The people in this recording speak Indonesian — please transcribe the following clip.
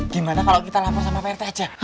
gimana kalau kita lapor sama prt aja